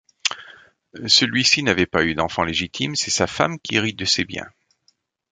Celui-ci n'avait pas eu d'enfant légitime, c'est sa femme qui hérite de ses biens.